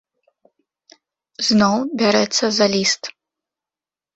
Зноў бярэцца за ліст.